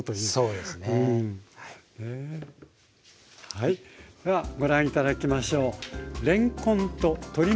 はいではご覧頂きましょう。